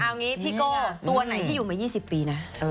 เอางี้พี่โก้ตัวไหนที่อยู่มา๒๐ปีนะ